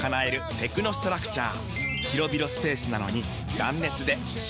テクノストラクチャー！